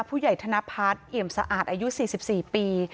ผู้ใหญ่ธนพัฒน์เอ๋มสะอาดอายุ๔๔ปี